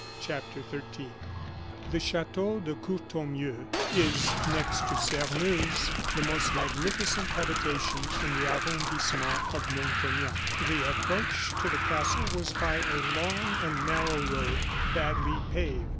CHAPTER XIII The Chateau de Courtornieu is, next to Sairmeuse, the most magnificent habitation in the arrondissement of Montaignac. The approach to the castle was by a long and narrow road, badly paved.